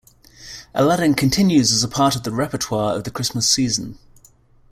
Aladdin continues as a part of the repertoire of the Christmas season.